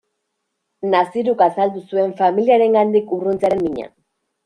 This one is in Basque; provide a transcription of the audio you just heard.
Naziruk azaldu zuen familiarengandik urruntzearen mina.